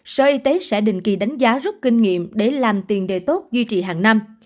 sở y tế sẽ định kỳ đánh giá rút kinh nghiệm để làm tiền đề tốt duy trì hàng năm